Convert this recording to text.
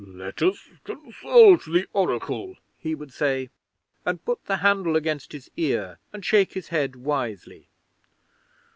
"Let us consult the Oracle," he would say, and put the handle against his ear, and shake his head wisely.